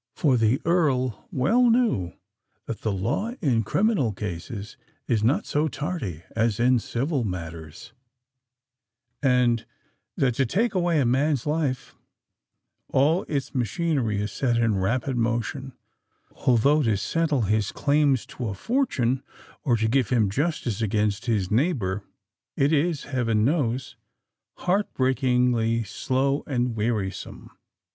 For the Earl well knew that the law in criminal cases is not so tardy as in civil matters; and that to take away a man's life, all its machinery is set into rapid motion—although to settle his claims to a fortune or to give him justice against his neighbour, it is, heaven knows! heart breakingly slow and wearisome!